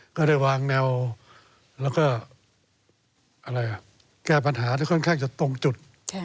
ก็ได้วางแนวแล้วก็แก้ปัญหาได้ค่อนข้างจะตรงจุด